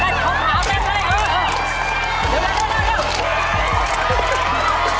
เดี๋ยว